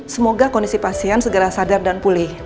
semoga kondisi pasien segera sadar dan pulih